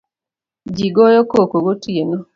Jii goyo koko gotieno